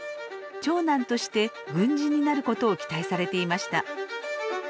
長男として軍人になることを期待されていました。